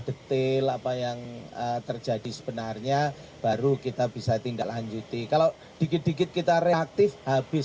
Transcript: detail apa yang terjadi sebenarnya baru kita bisa tindak lanjuti kalau dikit dikit kita reaktif habis